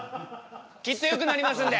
きっとよくなりますんで！